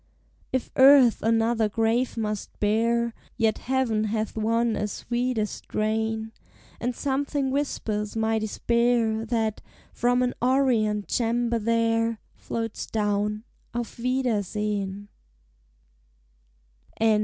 If earth another grave must bear, Yet heaven hath won a sweeter strain, And something whispers my despair, That, from an orient chamber there, Floats down, "Auf wiedersehen!"